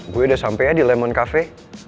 gue udah sampai ya di lemon cafe